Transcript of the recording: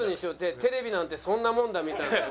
テレビなんてそんなもんだみたいな事。